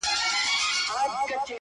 يمه دي غلام سترگي راواړوه ـ